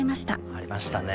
ありましたね。